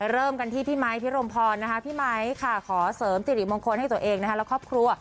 เริ่มกันที่พี่ไมค์พิรมพรพี่ไมค์ค่ะขอเสริมสิริมงคลให้ตัวเองและครอบครัว